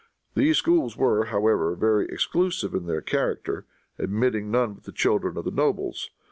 These schools were, however, very exclusive in their character, admitting none but the children of the nobles.